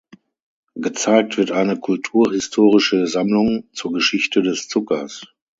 Gezeigt wird eine kulturhistorische Sammlung zur Geschichte des Zuckers.